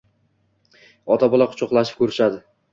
Ota-bola quchoqlashib ko‘rishishdi.